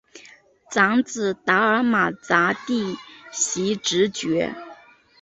长子达尔玛咱第袭职爵。